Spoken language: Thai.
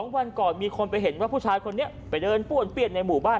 วันก่อนมีคนไปเห็นว่าผู้ชายคนนี้ไปเดินป้วนเปี้ยนในหมู่บ้าน